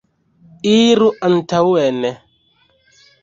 Iru antaŭen.